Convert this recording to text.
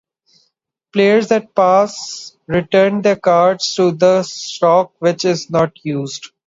Players that pass return their cards to the stock which is not used.